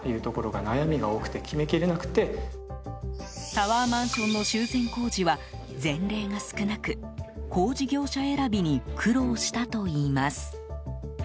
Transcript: タワーマンションの修繕工事は前例が少なく工事業者選びに苦労したといいます。